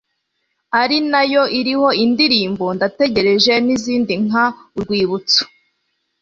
ari nayo iriho indirimbo 'ndategereje' n'izindi nka 'urwibutso